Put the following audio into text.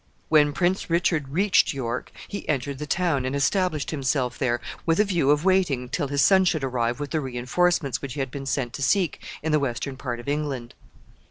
When Prince Richard reached York, he entered the town, and established himself there, with a view of waiting till his son should arrive with the re enforcements which he had been sent to seek in the western part of England.